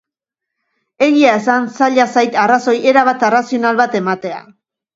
Egia esan, zaila zait arrazoi erabat arrazional bat ematea.